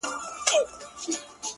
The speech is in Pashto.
• کال ته به مرمه ـ